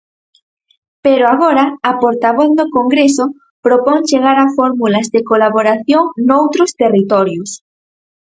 Pero agora a portavoz no Congreso propón chegar a fórmulas de colaboración noutros territorios.